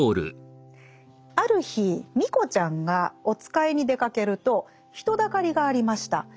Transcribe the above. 「或る日ミコちゃんがおつかいに出掛けると人だかりがありました。